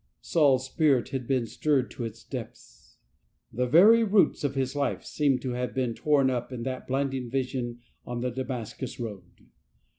Saul's spirit had been stirred to its depths. The very roots of his life seemed to have been torn up in that blinding vision on the Damas cus road.